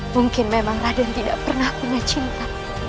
mungkin memang raden tidak pernah punya cinta